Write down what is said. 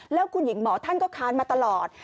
แล้วคุณหญิงหมอท่านก็ค้านมาตลอด